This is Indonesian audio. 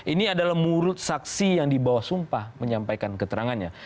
ini adalah murut saksi yang dibawa sumpah menyampaikan keterangannya